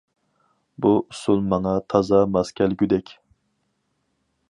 بۇ ئۇسۇل ماڭا تازا ماس كەلگۈدەك.